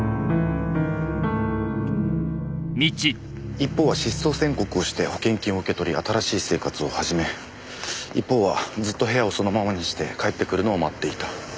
一方は失踪宣告をして保険金を受け取り新しい生活を始め一方はずっと部屋をそのままにして帰ってくるのを待っていた。